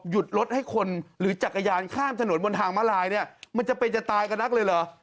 รถให้คนหรือจักรยานข้ามถนนบนทางมาลายเนี่ยมันจะเป็นจะตายกับนักเลยเหรอ